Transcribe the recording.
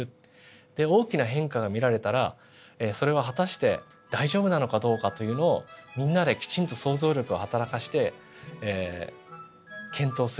で大きな変化が見られたらそれは果たして大丈夫なのかどうかというのをみんなできちんと想像力をはたらかして検討する。